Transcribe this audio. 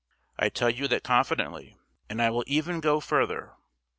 I tell you that confidently; and I will even go further.